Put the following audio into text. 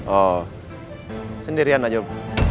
oh sendirian aja om